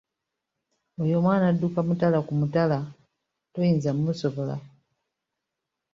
Oyo omwana adduka mutala ku mutala toyinza kumusobola.